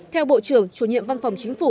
theo bộ trưởng chủ nhiệm văn phòng chính phủ